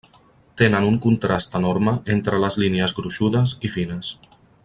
Tenen un contrast enorme entre les línies gruixudes i fines.